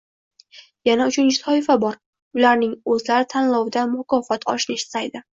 Yana uchinchi toifa bor, ularning oʻzlari tanlovda mukofot olishni istaydi.